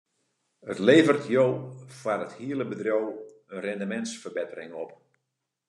It leveret jo foar it hiele bedriuw in rindemintsferbettering op.